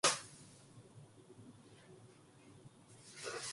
지혜는 너무 높아서 미련한 자의 미치지 못할 것이므로 그는 성문에서 입을 열지 못하느니라